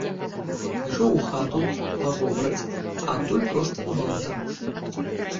Пайшоў у хату па вобраць, а адтуль проста на балота.